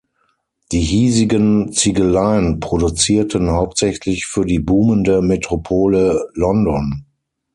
Die hiesigen Ziegeleien produzierten hauptsächlich für die boomende Metropole London.